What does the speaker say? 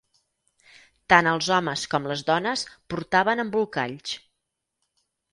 Tant els homes com les dones portaven embolcalls.